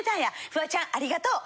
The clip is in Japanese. フワちゃんありがとう！